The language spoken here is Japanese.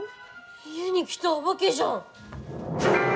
家に来たおばけじゃん！